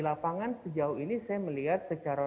lapangan sejauh ini saya melihat secara